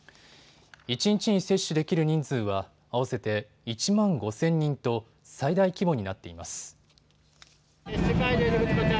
一日に接種できる人数は合わせて１万５０００人と最大規模になっています。